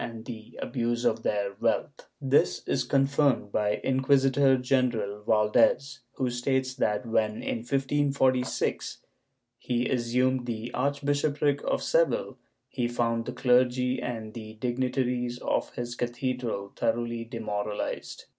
II] CLERICAL DEMORALIZATION 497 This is confirmed by Inquisitor general Valdes who states that when, in 1546, he assumed the archbishopric of Seville, he found the clergy and the dignitaries of his cathedral thoroughly demoral ized.